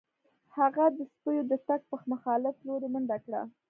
هغه د سپیو د تګ په مخالف لوري منډه کړه